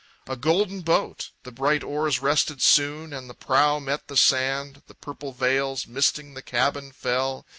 A golden boat! The bright oars rested soon, And the prow met the sand. The purple veils Misting the cabin fell.